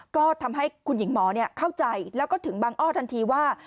ก็ทำให้คุณหญิงหมอเข้าใจแล้วก็ถึงบังอ้อทันทีว่า